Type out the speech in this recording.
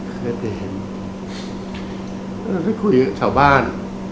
เคยไปเห็นแล้วเราได้คุยกับชาวบ้าน